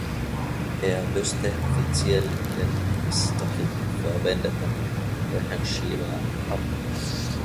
Er löste offiziell den bis dahin verwendeten Rechenschieber ab.